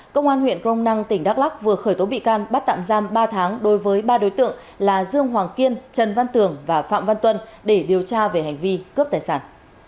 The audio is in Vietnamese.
công an huyện crong năng tỉnh đắk lắc vừa khởi tố bị can bắt tạm giam ba tháng đối với ba đối tượng là dương hoàng kiên trần văn tường và phạm văn tuân để điều tra về hành vi cướp tài sản